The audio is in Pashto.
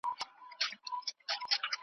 چي حتی د یوې کلمې .